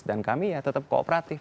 dan kami tetap kooperatif